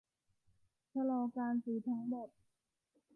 ชะลอการซื้อทั้งหมด